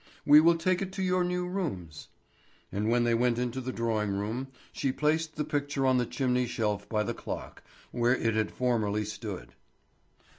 We will take it to your new rooms." And when they went into the drawing room she placed the picture on the chimney shelf by the clock, where it had formerly stood.